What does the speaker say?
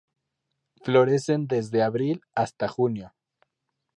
Florecen desde abril hasta junio.